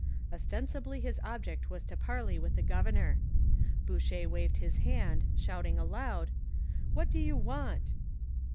Ostensibly his object was to parley with the governor. Boucher waved his hand, shouting aloud: 'What do you want?'